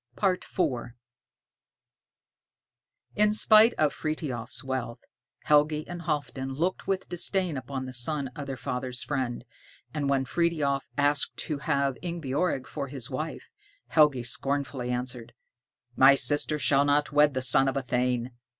IV In spite of Frithiof's wealth, Helgi and Halfdan looked with disdain upon the son of their father's friend; and when Frithiof asked to have Ingebjorg for his wife, Helgi scornfully answered, "My sister shall not wed the son of a thane.